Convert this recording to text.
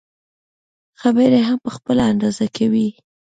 خبرې هم په خپل انداز کوي.